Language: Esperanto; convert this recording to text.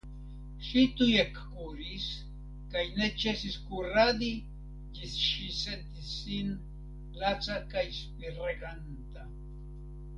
Ŝi tuj ekkuris, kaj ne ĉesis kuradi ĝis ŝi sentis sin laca kaj spireganta.